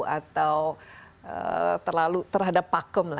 atau terlalu terhadap pakem